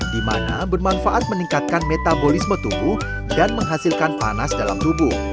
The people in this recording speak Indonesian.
di mana bermanfaat meningkatkan metabolisme tubuh dan menghasilkan panas dalam tubuh